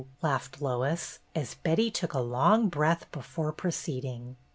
laughed Lois, as Betty took a long breath before proceeding.